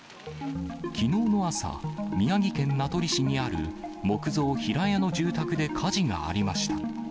きのうの朝、宮城県名取市にある木造平屋の住宅で火事がありました。